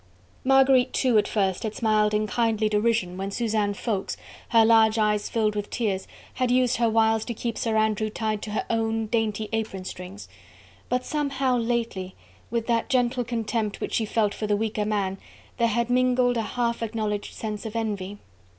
Marguerite too at first had smiled in kindly derision when Suzanne Ffoulkes, her large eyes filled with tears, had used her wiles to keep Sir Andrew tied to her own dainty apronstrings. But somehow, lately, with that gentle contempt which she felt for the weaker man, there had mingled a half acknowledged sense of envy.